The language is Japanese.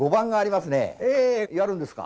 やるんですか？